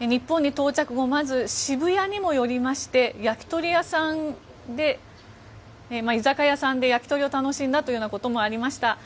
日本に到着後まず、渋谷にも寄りまして居酒屋さんで焼き鳥を楽しんだということもありました。